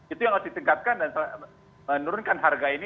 itu yang harus ditingkatkan dan menurunkan harga ini